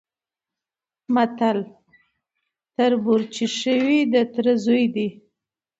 متل: تربور چي ښه وي د تره زوی دی؛